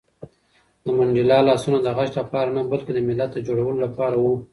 د منډېلا لاسونه د غچ لپاره نه، بلکې د ملت د جوړولو لپاره وو.